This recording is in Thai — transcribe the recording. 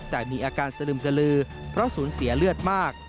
แต่มีอาการสลึมสลือเพราะสูญเสียเลือดมาก